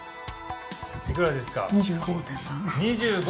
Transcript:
いくらですか？